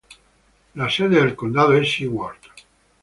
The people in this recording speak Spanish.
La sede del condado es Seward.